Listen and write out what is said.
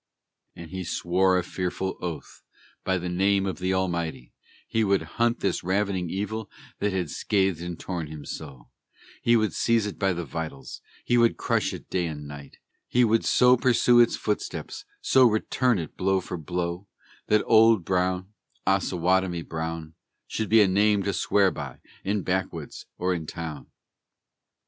And he swore a fearful oath, by the name of the Almighty, He would hunt this ravening evil that had scathed and torn him so; He would seize it by the vitals; he would crush it day and night; he Would so pursue its footsteps, so return it blow for blow, That Old Brown, Osawatomie Brown, Should be a name to swear by, in backwoods or in town!